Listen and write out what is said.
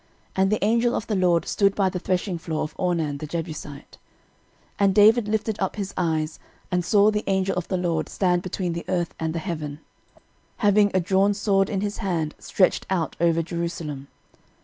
And the angel of the LORD stood by the threshingfloor of Ornan the Jebusite. 13:021:016 And David lifted up his eyes, and saw the angel of the LORD stand between the earth and the heaven, having a drawn sword in his hand stretched out over Jerusalem.